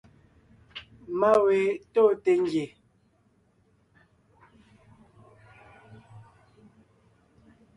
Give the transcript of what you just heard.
Má we tóonte ngie.